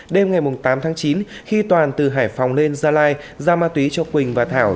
đêm ngày tám tháng chín khi toàn từ hải phòng lên gia lai giao ma túy cho quỳnh và thảo